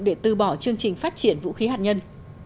để từ bỏ chương trình phát triển vũ khí hạt nhân